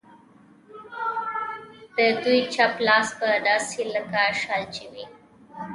د دوی چپ لاس به داسې و لکه شل چې وي.